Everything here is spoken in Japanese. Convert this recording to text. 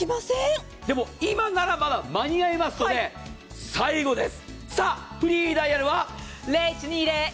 でも、今ならまだ間に合いますので、最後です！